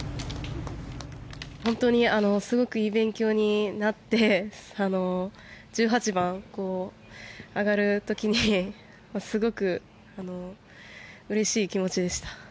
本当にすごくいい勉強になって１８番、上がる時にすごくうれしい気持ちでした。